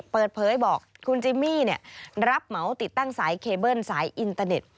เปิดเผยบอกคุณจิมมี่รับเหมาติดตั้งสายเคเบิ้ลสายอินเตอร์เน็ต